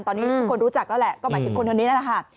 ตอนนี้ทุกคนรู้จักแล้วแหละก็หมายถึงคนคนนี้นั่นแหละค่ะ